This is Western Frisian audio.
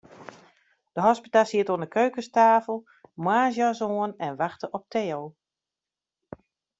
De hospita siet oan 'e keukenstafel, moarnsjas oan, en wachte op Theo.